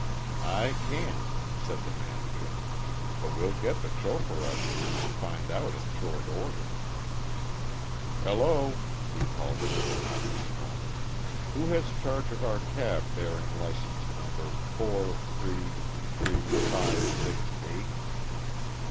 "I can't," said the manager, "but we'll get the chauffeur up here and find out in short order. "Hello!" he called over an office phone. "Who has charge of our cab bearing license number four, three, three, five, six, eight?...